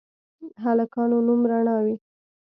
هلکانو نوم رڼا وي